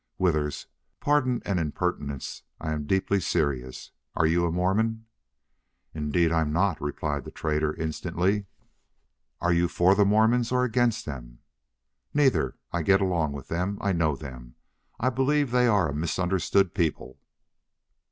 "Withers, pardon an impertinence I am deeply serious.... Are you a Mormon?" "Indeed I'm not," replied the trader, instantly. "Are you for the Mormons or against them?" "Neither. I get along with them. I know them. I believe they are a misunderstood people."